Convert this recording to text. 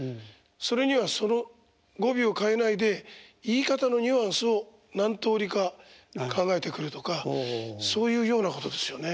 それにはその語尾を変えないで言い方のニュアンスを何通りか考えてくるとかそういうような方ですよね。